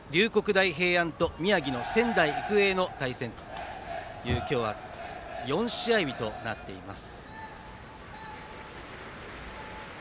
大平安と宮城の仙台育英の対戦という今日は４試合日となっています。